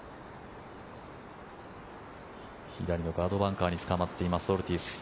左のガードバンカーにつかまっていますオルティーズ。